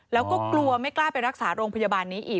แล้วก็กลัวไม่กล้าไปรักษาโรงพยาบาลนี้อีก